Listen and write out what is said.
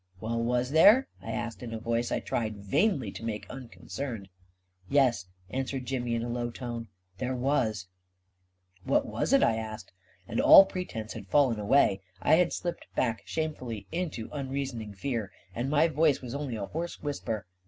"Well, was there?" I asked, in a voice I tried vainly to make unconcerned. " Yes," answered Jimmy, in a low tone, " there was." "What was it?" I asked, and all pretense had 236 A KING IN BABYLON fallen away — I had slipped back shamefully into unreasoning fear !— and my voice was only a hoarse whisper.